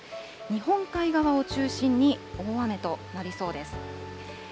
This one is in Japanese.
日本海側を中心に大雨となりそうです。